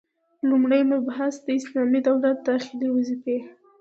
لومړی مبحث: د اسلامي دولت داخلي وظيفي: